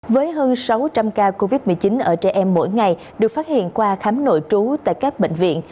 với hơn sáu trăm linh ca covid một mươi chín ở trẻ em mỗi ngày được phát hiện qua khám nội trú tại các bệnh viện